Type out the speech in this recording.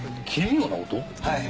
はい。